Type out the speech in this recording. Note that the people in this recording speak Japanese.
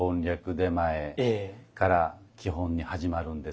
点前から基本に始まるんです。